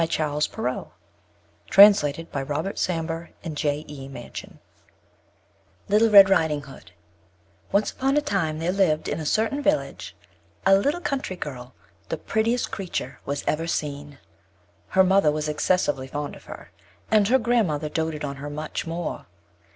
_ THOMAS BODKIN Little Red Riding Hood Little Red Riding Hood Once upon a time, there lived in a certain village, a little country girl, the prettiest creature was ever seen. Her mother was excessively fond of her; and her grand mother doated on her much more.